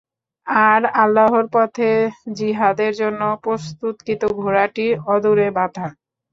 আর আল্লাহর পথে জিহাদের জন্য প্রস্তুতকৃত ঘোড়াটি অদূরে বাঁধা।